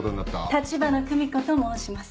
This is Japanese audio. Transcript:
立花久美子と申します。